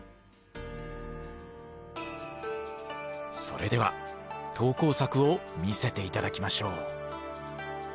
それでは投稿作を見せて頂きましょう。